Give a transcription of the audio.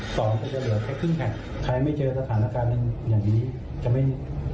สองก็จะเหลือแค่ครึ่งแห่งใครไม่เจอสถานการณ์อย่างนี้จะไม่